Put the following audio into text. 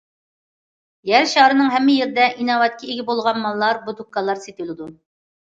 يەر شارىنىڭ ھەممە يېرىدە ئىناۋەتكە ئىگە بولغان ماللار بۇ دۇكانلاردا سېتىلىدۇ.